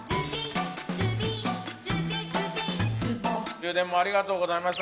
充電もありがとうございました。